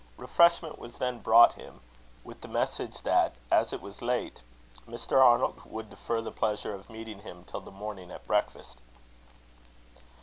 Refreshment was then brought him, with the message that, as it was late, Mr. Arnold would defer the pleasure of meeting him till the morning at breakfast.